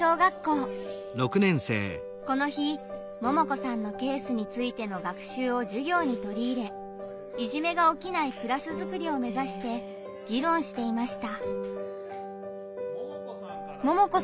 この日ももこさんのケースについての学習を授業に取り入れいじめが起きないクラスづくりを目指して議論していました。